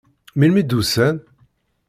Melmi i d-usan?